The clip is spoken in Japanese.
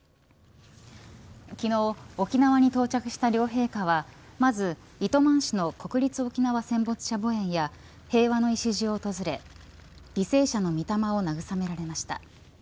昨日、沖縄に到着した両陛下はまず糸満市の国立沖縄戦没者墓苑や平和の礎を訪れ犠牲者のみ霊を慰められました。